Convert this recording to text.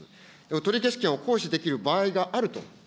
取消権を行使できる場合があると。